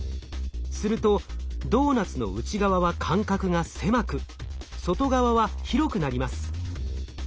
するとドーナツの内側は間隔が狭く外側は広くなります。